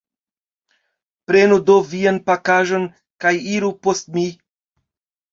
Prenu do vian pakaĵon kaj iru post mi.